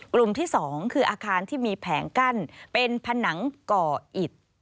กลุ่มที่๒คืออาคารที่มีแผงกั้นเป็นผนังก่ออิด